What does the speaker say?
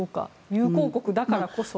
友好国だからこそ。